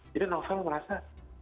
jadi novel merasa